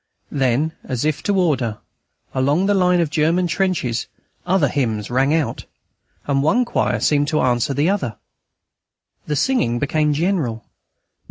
Then, as if to order, along the line of the German trenches other hymns rang out, and one choir seemed to answer the other. The singing became general.